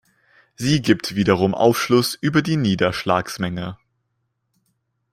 Sie gibt wiederum Aufschluss über die Niederschlagsmenge.